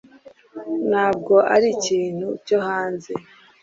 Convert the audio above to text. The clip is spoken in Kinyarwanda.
ntabwo ari ikintu cyo hanze